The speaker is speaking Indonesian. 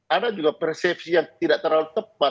ada juga persepsi yang tidak terlalu tepat